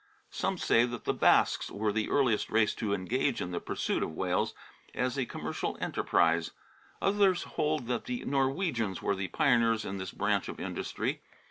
Some say that the Basques were the earliest race to engage in the pursuit of whales as a commercial enterprise ; others hold that the Norwegians were the pioneers in this branch of industry.